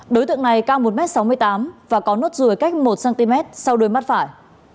đối tượng này cao một m sáu mươi tám và có nốt ruồi cách một cm sau đuôi mắt phải